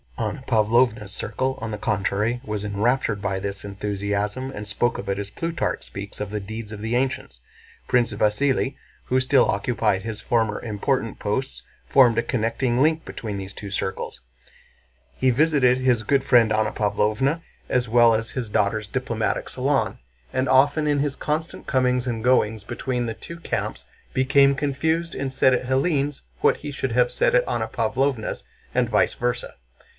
Anna Pávlovna's circle on the contrary was enraptured by this enthusiasm and spoke of it as Plutarch speaks of the deeds of the ancients. Prince Vasíli, who still occupied his former important posts, formed a connecting link between these two circles. He visited his "good friend Anna Pávlovna" as well as his daughter's "diplomatic salon," and often in his constant comings and goings between the two camps became confused and said at Hélène's what he should have said at Anna Pávlovna's and vice versa.